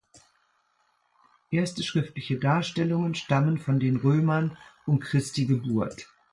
Erste schriftliche Darstellungen stammen von den Römern um Christi Geburt.